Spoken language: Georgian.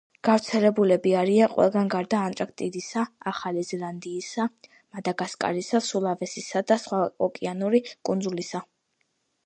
გავრცელებული არიან ყველგან გარდა ანტარქტიდისა, ახალი ზელანდიისა, მადაგასკარისა, სულავესისა და სხვა ოკეანური კუნძულისა.